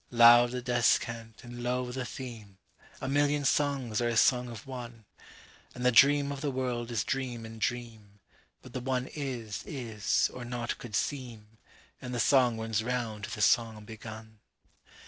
53Loud the descant, and low the theme,54(A million songs are as song of one)55And the dream of the world is dream in dream,56But the one Is is, or nought could seem;57And the song runs round to the song begun.